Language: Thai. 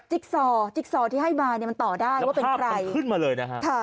จิกซอจิกซอที่ให้มาเนี่ยมันต่อได้ว่าเป็นใครแล้วภาพมันขึ้นมาเลยนะฮะ